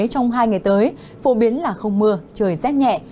trong hai ngày tới phổ biến là không mưa trời rét nhẹ